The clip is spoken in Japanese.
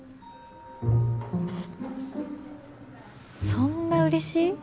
そんなうれしい？